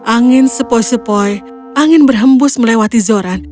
angin sepoi sepoi angin berhembus melewati zoran